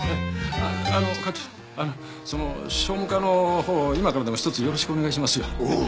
あの課長その庶務課のほう今からでもひとつよろしくお願いしますよおう！